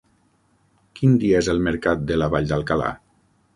Quin dia és el mercat de la Vall d'Alcalà?